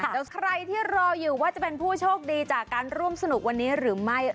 เดี๋ยวใครที่รออยู่ว่าจะเป็นผู้โชคดีจากการร่วมสนุกวันนี้หรือไม่